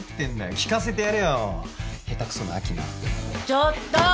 ちょっと！